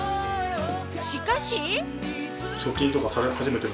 しかし？